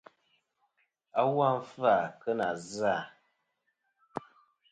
Awu a nɨn fɨ-à kɨ nà zɨ-à.